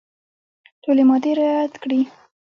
ټولي مادې رعیات کړي.